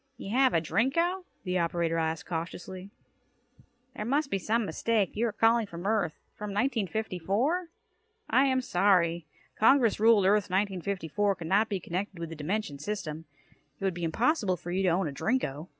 "You have a Drinko?" the operator asked cautiously. "There must be some mistake. You are calling from Earth? From 1954? I am sorry. Congress ruled Earth 1954 could not be connected with the dimension system. It would be impossible for you to own a Drinko."